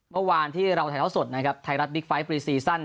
เมื่อวานที่เราถ่ายเท้าสดนะครับไทยรัฐบิ๊กไฟท์ปรีซีซั่น